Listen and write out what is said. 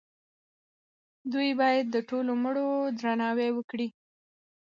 دوی باید د ټولو مړو درناوی وکړي.